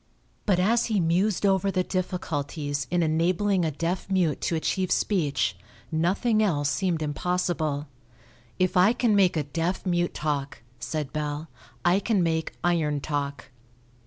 But as he mused over the difficulties in enabling a deaf mute to achieve speech nothing else seemed impossible. "If I can make a deaf mute talk," said Bell, "I can make iron talk."